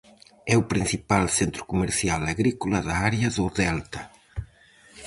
É o principal centro comercial agrícola da área do delta.